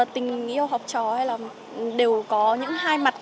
tình yêu học trò hay là đều có những hai mặt